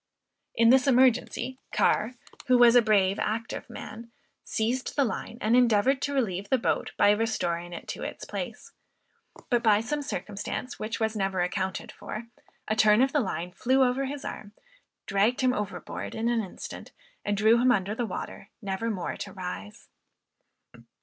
In this emergency, Carr, who was a brave, active man, seized the line, and endeavored to relieve the boat by restoring it to its place; but, by some circumstance which was never accounted for, a turn of the line flew over his arm, dragged him overboard in an instant, and drew him under the water, never more to rise.